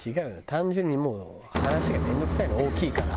単純にもう話が面倒くさいのよ大きいから。